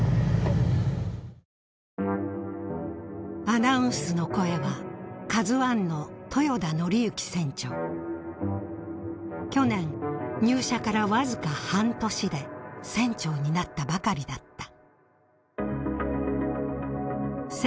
アナウンスの声はＫＡＺＵⅠの去年入社からわずか半年で船長になったばかりだった。